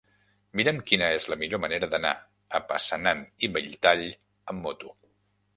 Mira'm quina és la millor manera d'anar a Passanant i Belltall amb moto.